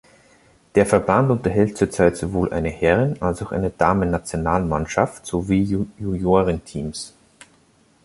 Der Verband unterhält zurzeit sowohl eine Herren- als auch eine Damen-Nationalmannschaft sowie Juniorenteams.